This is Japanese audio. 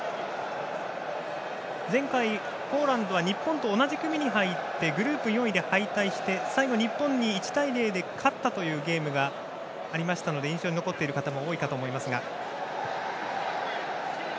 前回、ポーランドは日本と同じ組に入ってグループ４位で敗退して最後、日本に１対０で勝ったというゲームがあったので印象に残っている方も多いと思います。